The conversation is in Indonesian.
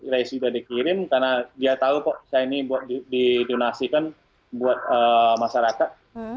race sudah dikirim karena dia tahu kok saya ini didonasikan buat masyarakat